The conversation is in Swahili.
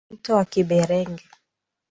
Mto wa Kiberenge.